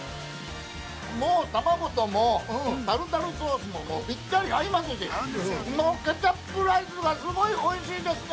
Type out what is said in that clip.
もう卵と、タルタルソースももうぴったり合いますし、ケチャップライスがすごいおいしいですね。